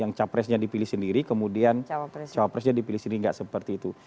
yang capresnya dipilih sendiri kemudian cawapresnya dipilih sendiri nggak seperti itu